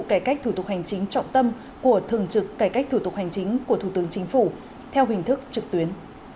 cải cách thủ tục hành chính trọng tâm của thường trực cải cách thủ tục hành chính của thủ tướng chính phủ theo hình thức trực tuyến